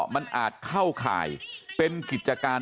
มันอาจเข้าข่ายเป็นกิจการ